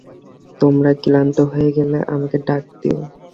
তোমরা ক্লান্ত হয়ে গেলে আমাকে ডাক দিও।